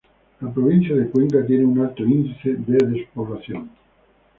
La provincia de Cuenca tiene un alto índice de despoblación.